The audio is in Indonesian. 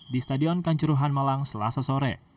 di stadion kanjuruhan malang selasa sore